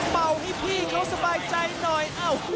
เป่าให้พี่เขาสบายใจหน่อย